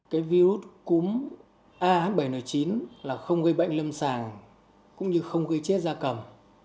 cái virus cúm ah bảy n chín là không gây bệnh lâm sàng cũng như không gây chết da cầm